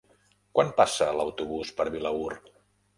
Quan passa l'autobús per Vilaür?